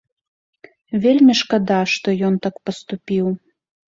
Вельмі шкада, што ён так паступіў.